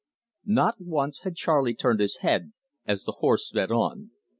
Not once had Charley Steele turned his head as the horse sped on.